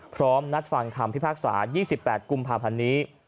พร้อมนัดฟังคำพิพากษา๒๘กุมภาพันธ์นี้